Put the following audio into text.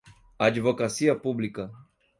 Advocacia Pública